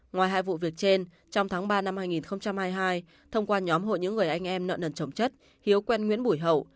ngoài hai vụ việc trên trong tháng ba năm hai nghìn hai mươi hai thông qua nhóm hội những người anh em nợ nần trồng chất hiếu quen nguyễn bùi hậu